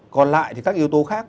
còn lại thì các yếu tố khác